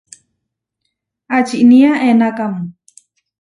¿Ačinía enakámu?